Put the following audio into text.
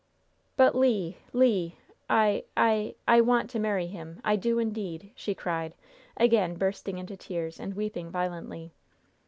"But, Le! Le! I I I want to marry him! I do indeed!" she cried, again bursting into tears and weeping violently.